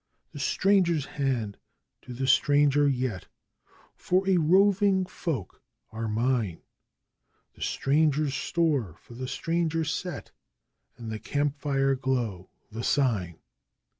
'The stranger's hand to the stranger, yet for a roving folk are mine 'The stranger's store for the stranger set and the camp fire glow the sign!